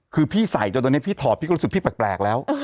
คือพี่ใส่จนตอนนี้พี่ถอดพี่ก็รู้สึกพี่แปลกแล้ว